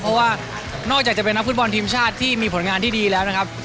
เพราะว่านอกจากจะเป็นนักฟุตบอลทีมชาติที่มีผลงานที่ดีแล้วนะครับ